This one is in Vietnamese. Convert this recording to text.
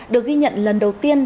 được ghi nhận lần đầu tiên